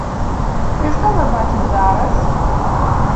І што мы бачым зараз?